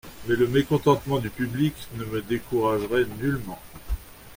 Mais le mécontentement du public ne me découragerait nullement.